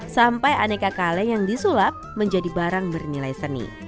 sampai aneka kaleng yang disulap menjadi barang bernilai seni